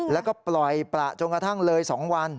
แล้วก็ปล่อยประจนกระทั่งเลย๒วัน